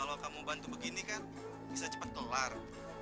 kalau kamu bantu begini kan bisa cepat kelar